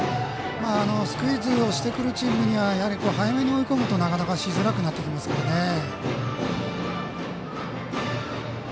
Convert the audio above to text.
スクイズをしてくるチームには早めに追い込むと、なかなかしづらくなってきますからね。